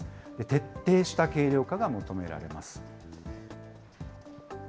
徹底した軽量化が求められます。